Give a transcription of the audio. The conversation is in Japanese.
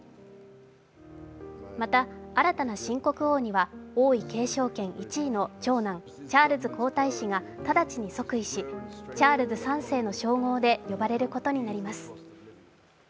また新たな新国王には王位継承権１位の長男・チャールズ皇太子が直ちに即位しチャールズ３世の称号で呼ばれることになります。